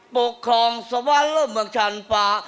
ปกครองสวรรค์เมืองชันป่า